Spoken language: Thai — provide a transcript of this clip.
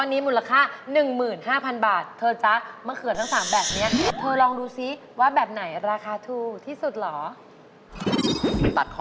ไม่รู้นึกไม่ออกเห็นทุกค่าไหว้ก็เลยอยากไหว้มาก